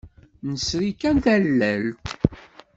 Nesri kan tallalt.